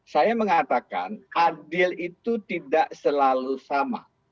saya mengatakan adil itu tidak selalu sama